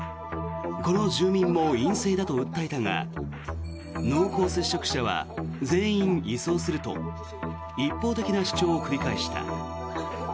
この住民も陰性だと訴えたが濃厚接触者は全員移送すると一方的な主張を繰り返した。